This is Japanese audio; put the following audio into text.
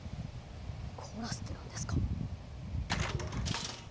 「コーラス」って何ですか？